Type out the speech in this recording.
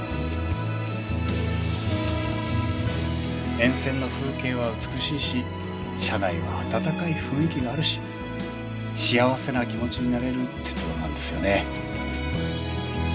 沿線の風景は美しいし車内は温かい雰囲気があるし幸せな気持ちになれる鉄道なんですよね。